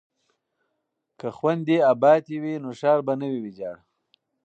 که خویندې ابادې وي نو ښار به نه وي ویجاړ.